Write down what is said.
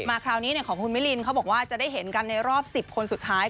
คราวนี้ของคุณมิลินเขาบอกว่าจะได้เห็นกันในรอบ๑๐คนสุดท้าย